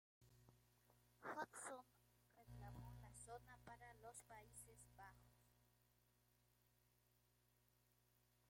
Hudson reclamó la zona para los Países Bajos.